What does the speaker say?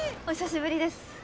お久しぶりです。